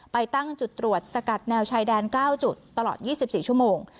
ไปตั้งจุดตรวจสกัดแนวชายแดนเก้าจุดตลอดยี่สิบสี่ชั่วโมง